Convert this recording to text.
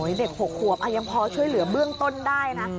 เด็ก๖ขวบยังพอช่วยเหลือเบื้องต้นได้นะ